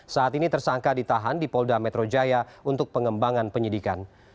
saat ini tersangka ditahan di polda metro jaya untuk pengembangan penyidikan